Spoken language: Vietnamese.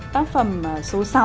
tác phẩm số sáu